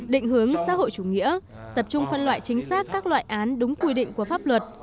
định hướng xã hội chủ nghĩa tập trung phân loại chính xác các loại án đúng quy định của pháp luật